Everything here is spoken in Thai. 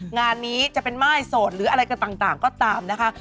งานนี้จะเป็นม่ายโสดหรืออะไรก็ต่างก็ตามนะคะ